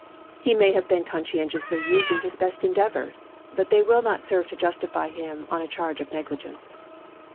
] le may have been conscientiously using his best endeavours, but they will not serve to justify him on a charge of neghgence.